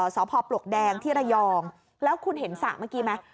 สพปลวกแดงที่ระยองแล้วคุณเห็นสระเมื่อกี้ไหม